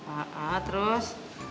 ah ah terus